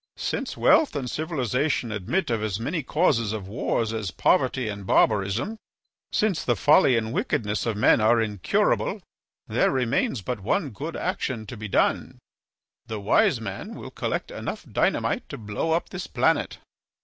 "Since wealth and civilization admit of as many causes of wars as poverty and barbarism, since the folly and wickedness of men are incurable, there remains but one good action to be done. The wise man will collect enough dynamite to blow up this planet.